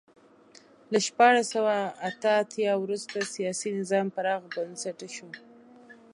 له شپاړس سوه اته اتیا وروسته سیاسي نظام پراخ بنسټه شو.